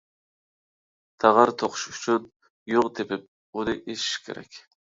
تاغار توقۇش ئۈچۈن يۇڭ تېپىپ، ئۇنى ئېشىش كېرەك.